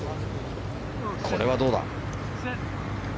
これはどうだ。